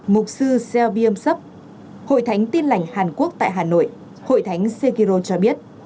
mục sư seo byung sup hội thánh tin lành hàn quốc tại hà nội hội thánh sekiro cho biết